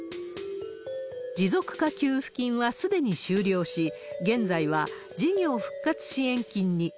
持続化給付金はすでに終了し、現在は事業復活支援金に。